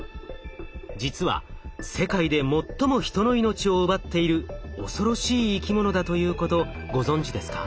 実は世界で最も人の命を奪っている恐ろしい生き物だということご存じですか？